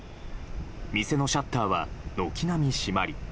店のシャッターは軒並み閉まり